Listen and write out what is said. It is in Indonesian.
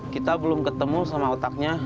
kita belum ketemu sama otaknya